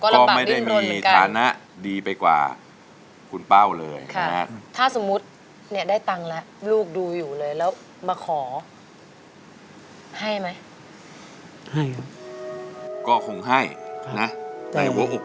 แต่ลูกก็ไม่ได้อยู่สบายหรอก